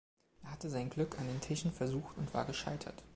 Er hatte sein Glück an den Tischen versucht und war gescheitert.